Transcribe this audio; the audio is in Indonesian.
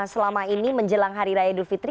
selama ini menjelang hari raya idul fitri